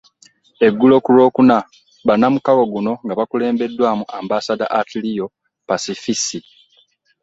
Eggulo ku Lwokuna, bannamukago guno nga bakulembeddwamu Ambasada Attilio Pacifici